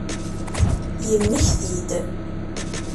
Yemmekti-d.